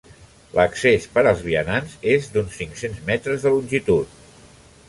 L'accés per als vianants és d'uns cinc-cents metres de longitud.